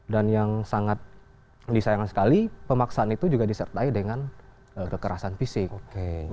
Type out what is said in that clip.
dan yang sangat disayangkan sekali pemaksaan itu juga disertai dengan kekerasan fisik